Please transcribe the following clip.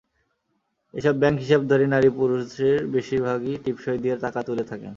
এসব ব্যাংক হিসাবধারী নারী-পুরুষের বেশির ভাগই টিপসই দিয়ে টাকা তুলে থাকেন।